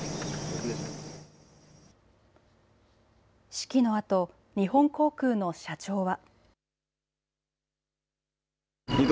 式のあと、日本航空の社長は。